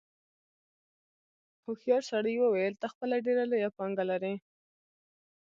هوښیار سړي وویل ته خپله ډېره لویه پانګه لرې.